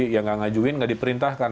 yang tidak ngajuin tidak diperintahkan